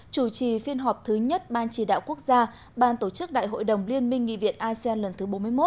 chủ trì phiên họp thứ nhất ban chỉ đạo quốc gia ban tổ chức đại hội đồng liên minh nghị viện asean lần thứ bốn mươi một